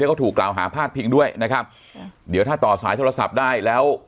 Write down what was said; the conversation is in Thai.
เขาถูกกล่าวหาพาดพิงด้วยนะครับเดี๋ยวถ้าต่อสายโทรศัพท์ได้แล้ว